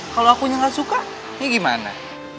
kalau aku yang gak suka ini gimana